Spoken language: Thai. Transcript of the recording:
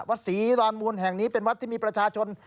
วัดศรีดอนมูลแห่งนี้เป็นวัดที่มีประชาชน